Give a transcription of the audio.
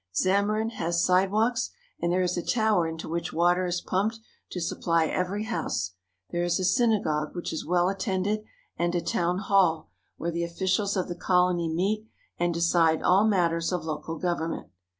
Zammarin has sidewalks, and there is a tower into which water is pumped to supply every house. There is a synagogue, which is well attended, and a town hall, where the officials of the colony meet and decide all matters of local government.